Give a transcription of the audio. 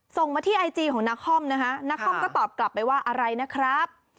ส่งมาที่ไอจีของนาคอมนะฮะนาคอมก็ตอบกลับไปว่าอะไรนะครับ